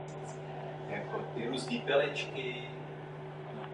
Nesouhlasím s možností jmenovat nové poslance jejich vnitrostátními orgány.